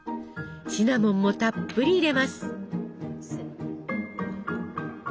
シナモンもたっぷり入れます。